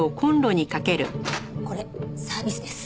これサービスです。